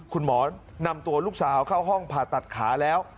คุณหมอนำตัวลูกสาวเข้าห้องผ่าตัดขาแล้ว